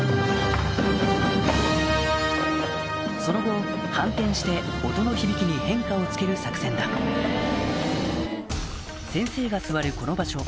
その後反転して音の響きに変化をつける作戦だ先生が座るこの場所